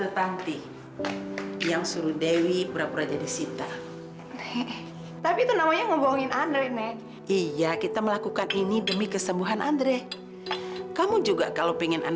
sampai jumpa di video selanjutnya